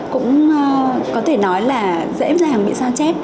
cũng có thể nói là dễ dàng bị sao chép